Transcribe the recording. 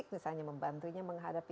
jadi saya akan mulai dengan orang tua saya